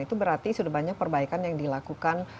itu berarti sudah banyak perbaikan yang dilakukan